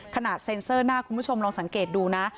เซ็นเซอร์หน้าคุณผู้ชมลองสังเกตดูนะ